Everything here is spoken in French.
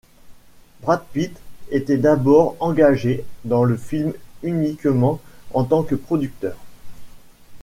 Brad Pitt était d'abord engagé dans le film uniquement en tant que producteur.